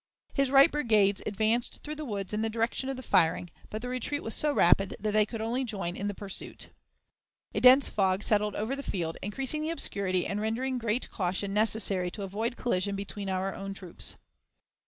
His right brigades advanced through the woods in the direction of the firing, but the retreat was so rapid that they could only join in the pursuit. A dense fog settled over the field, increasing the obscurity and rendering great caution necessary to avoid collision between our own troops.